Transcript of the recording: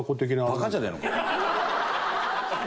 バカじゃねえのか。